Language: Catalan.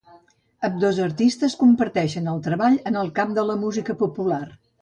Ambdós artistes comparteixen el treball en el camp de la música popular.